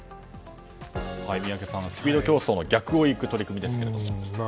宮家さん、スピード競争の逆をいく取り組みですが。